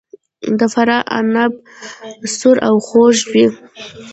د فراه عناب سور او خوږ وي.